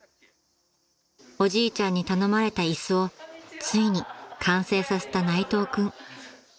［おじいちゃんに頼まれた椅子をついに完成させた内藤君］